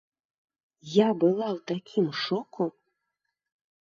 Я была ў такім шоку!